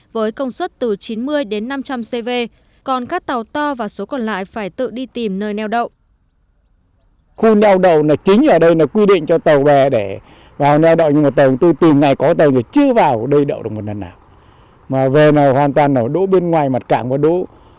với công suất từ chín mươi đến năm trăm linh cv còn các tàu to và số còn lại phải tự đi tìm nơi neo đậu